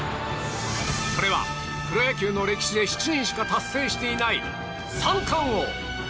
それは、プロ野球の歴史で７人しか達成していない三冠王。